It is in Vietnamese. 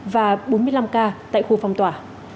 và bốn mươi năm ca tại khu phòng tỏa